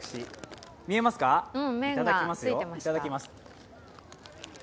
いただきます。